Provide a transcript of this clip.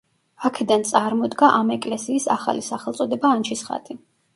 აქედან წარმოდგა ამ ეკლესიის ახალი სახელწოდება „ანჩისხატი“.